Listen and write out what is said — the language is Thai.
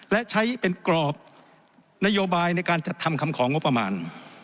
และใช้เป็นกรอบนโยบายในการจัดทำคำของงบประมาณ